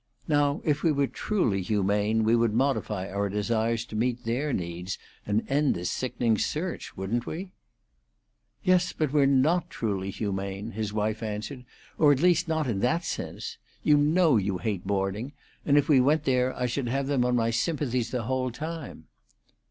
"Now if we were truly humane we would modify our desires to meet their needs and end this sickening search, wouldn't we?" "Yes, but we're not truly humane," his wife answered, "or at least not in that sense. You know you hate boarding; and if we went there I should have them on my sympathies the whole time."